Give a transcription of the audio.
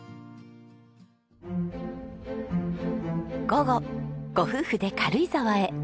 午後ご夫婦で軽井沢へ。